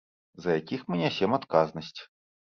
За якіх мы нясем адказнасць.